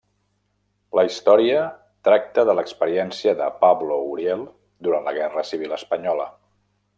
La història tracta de l'experiència de Pablo Uriel durant la Guerra Civil Espanyola.